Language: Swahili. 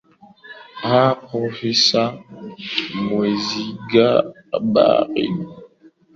aa profesa mwesiga baregu hapo awali endelea